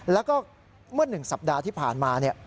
แล้วก็เมื่อ๑สัปดาห์ที่ผ่านมา